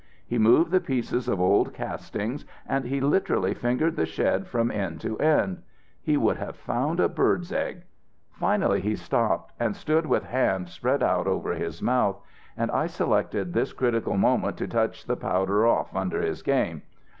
He moved the pieces of old castings and he literally fingered the shed from end to end. He would have found a bird's egg. "Finally he stopped and stood with hand spread out over his mouth. And I selected this critical moment to touch the powder off under his game.